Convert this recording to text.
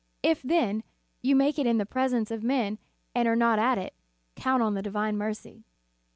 If, then, you make it in the presence of men, and are not at it, count on the divine mercy."